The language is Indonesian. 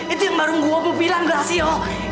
itu yang baru gue mau bilang berhasil